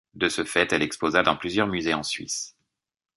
De ce fait, elle exposa dans plusieurs musées en Suisse.